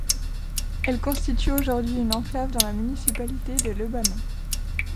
Elle constitue aujourd'hui une enclave dans la municipalité de Lebanon.